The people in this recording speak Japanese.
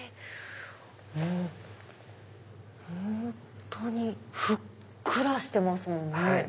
本当にふっくらしてますもんね。